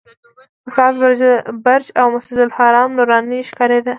د ساعت برج او مسجدالحرام نوراني ښکارېده.